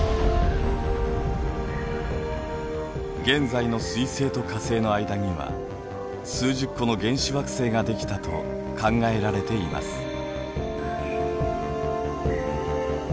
現在の水星と火星の間には数十個の原始惑星ができたと考えられています。